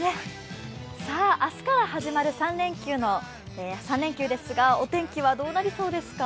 明日から始まる３連休ですがお天気はどうなりそうですか？